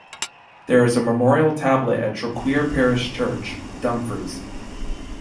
There is a memorial tablet at Troqueer parish church, Dumfries.